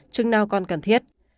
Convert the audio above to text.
chừng nào còn cần thiết